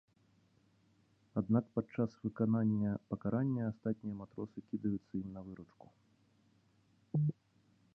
Аднак падчас выканання пакарання астатнія матросы кідаюцца ім на выручку.